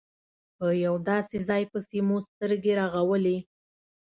په یو داسې ځای پسې مو سترګې رغولې.